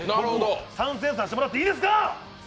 参戦させてもらっていいですか？